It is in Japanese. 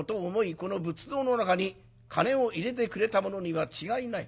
この仏像の中に金を入れてくれたものには違いない。